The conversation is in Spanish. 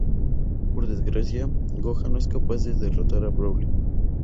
Por desgracia, Gohan no es capaz de derrotar a Broly.